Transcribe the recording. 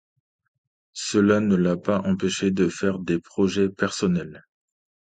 Cela ne l'a pas empêché de faire des projets personnels.